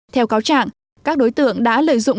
theo cáo trạng các đối tượng đã lợi dụng